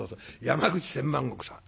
山口千万石さん。